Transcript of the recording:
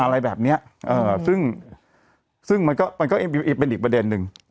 อะไรแบบนี้ซึ่งมันก็เป็นอีกประเด็นหนึ่ง